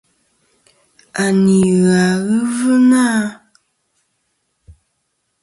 A ni-a ghɨ ɨlvɨ na.